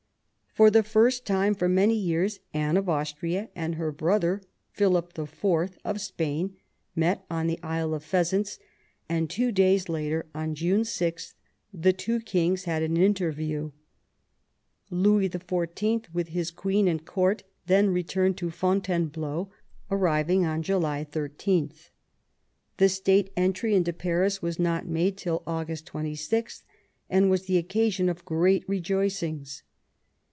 For the first time for many years Anne of Austria and her brother, Philip IV. of Spain, met on the Isle of Pheasants, and two days later, on June 6, the two kings had an interview. Louis XIV. with his queen and court then returned to Fontainebleau, arriving on July 13. The state entry into Paris was not made till August 26, and was the occasion of great rejoicings.